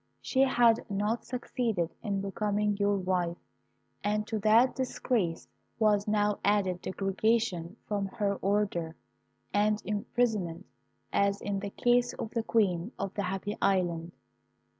She had not succeeded in becoming your wife, and to that disgrace was now added degradation from her order, and imprisonment, as in the case of the Queen of the Happy Island.